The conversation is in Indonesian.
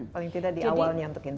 paling tidak di awalnya untuk ini